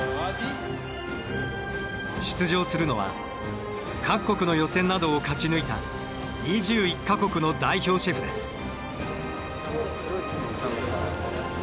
出場するのは各国の予選などを勝ち抜いた２１か国の代表シェフです。